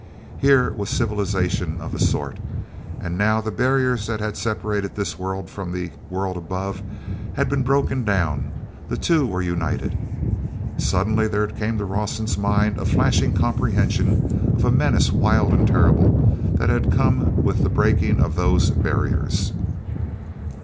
Here was civilization of a sort, and now the barriers that had separated this world from the world above had been broken down; the two were united. Suddenly there came to Rawson's mind a flashing comprehension of a menace wild and terrible that had come with the breaking of those barriers.